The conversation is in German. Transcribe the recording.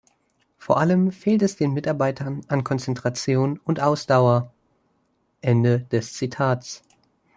Vor allem fehlt es Mitarbeitern an Konzentration und Ausdauer." Ende des Zitats.